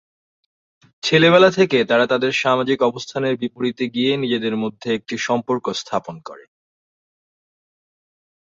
ছেলেবেলা থেকে তারা তাদের সামাজিক অবস্থানের বিপরীতে গিয়ে নিজেদের মধ্যে এক সম্পর্ক স্থাপন করে।